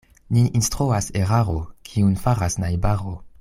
Nin instruas eraro, kiun faras najbaro.